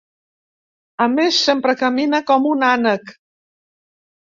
A més, sempre camina com un ànec.